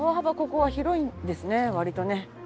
ここは広いんですね割とね。